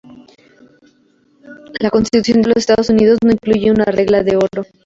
La Constitución de los Estados Unidos no incluye una regla de oro.